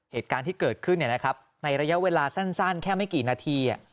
เหตุการณ์ที่เกิดขึ้นในระยะเวลาสั้นแค่ไม่กี่นาที